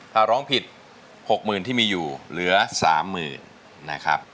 ถ้าร้องผิด๖๐๐๐ที่มีอยู่เหลือ๓๐๐๐นะครับ